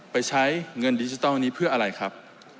ไปใช้เงินดิจิทัลนี้เพื่ออะไรครับ